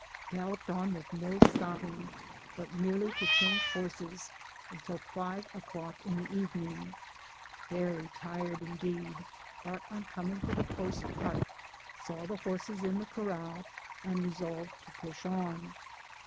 Galloped on with no stopping, but merely to change horses, until five o'^clock in the evening very tired indeed, but on coming to the post hut, saw the horses in the corral, and resolved to push on.